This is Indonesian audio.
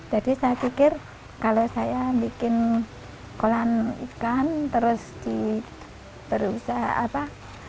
jadi saya pikir kalau saya bikin kolam ikan terus di berusaha apa